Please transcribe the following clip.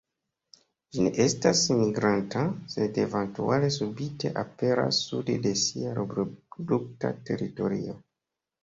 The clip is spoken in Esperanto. Ĝi ne estas migranta, sed eventuale subite aperas sude de sia reprodukta teritorio.